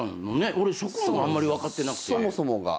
俺そこもあんまり分かってなくて。